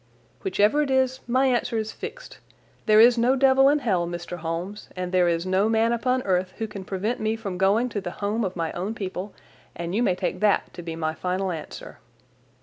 "Whichever it is, my answer is fixed. There is no devil in hell, Mr. Holmes, and there is no man upon earth who can prevent me from going to the home of my own people, and you may take that to be my final answer."